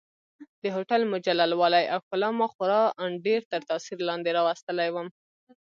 د هوټل مجلل والي او ښکلا ما خورا ډېر تر تاثیر لاندې راوستلی وم.